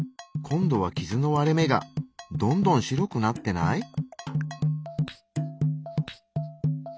今度は傷の割れ目がどんどん白くなってない？